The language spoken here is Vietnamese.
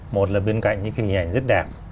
một là bên cạnh những cái hình ảnh rất đẹp